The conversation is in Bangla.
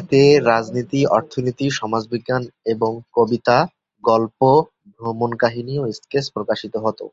এতে রাজনীতি, অর্থনীতি, সমাজবিজ্ঞান এবং কবিতা, গল্প, ভ্রমণকাহিনী ও স্কেচ প্রকাশিত হতো।